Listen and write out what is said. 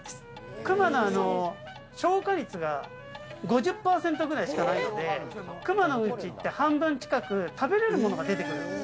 クマの消化率が５０％くらいしかないので、熊のうんちって半分近く食べれるものが出てくるんです。